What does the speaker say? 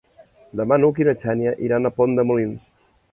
Demà n'Hug i na Xènia iran a Pont de Molins.